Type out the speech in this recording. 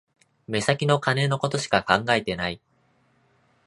目先の金のことしか考えてない